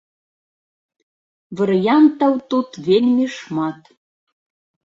Варыянтаў тут вельмі шмат.